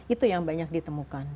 itu yang banyak ditemukan